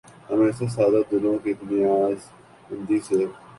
ہم ایسے سادہ دلوں کی نیاز مندی سے